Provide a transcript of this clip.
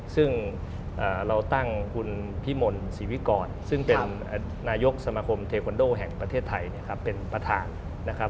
ซึ่งเราตั้งคุณพิมลศรีวิกรซึ่งเป็นนายกสมาคมเทควันโดแห่งประเทศไทยเป็นประธานนะครับ